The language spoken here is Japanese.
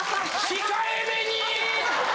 「控えめに」！